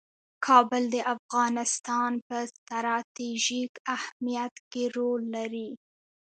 کابل د افغانستان په ستراتیژیک اهمیت کې رول لري.